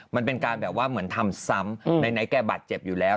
มันเป็นการแบบว่าเหมือนทำซ้ำไหนแกบาดเจ็บอยู่แล้ว